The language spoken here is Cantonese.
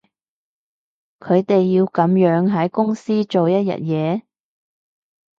佢哋要噉樣喺公司做一日嘢